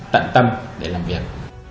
tận tâm để làm việc